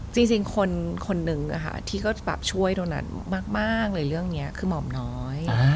จริงคนหนึ่งที่ก็ช่วยโดนัทมากเรื่องนี้คือหมอมน้อย